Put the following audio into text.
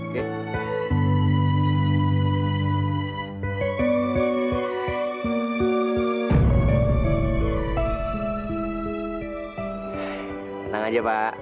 tenang aja pak